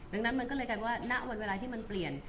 ดังนั้นมันก็เลยกลายเป็นว่าณวันเวลาที่มันเปลี่ยน